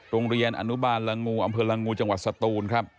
โรงเรียนอนุบาลละงูอำเภอละงูจังหวัดสตูนครับ